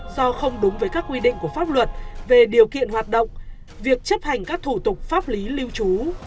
do không đúng với các quy định của pháp luật về điều kiện hoạt động việc chấp hành các thủ tục pháp lý lưu trú